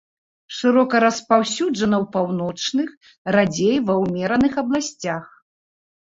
Шырока распаўсюджана ў паўночных, радзей ва ўмераных абласцях.